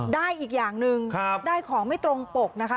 ได้อีกอย่างหนึ่งได้ของไม่ตรงปกนะคะ